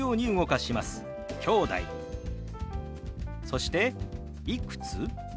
そして「いくつ？」。